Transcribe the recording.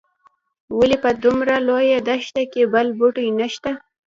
ولې په دومره لویه دښته کې بل بوټی نه شته.